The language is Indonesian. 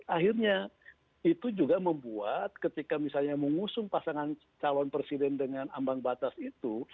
akhirnya itu juga membuat ketika misalnya mengusung pasangan calon presiden dengan ambang batas itu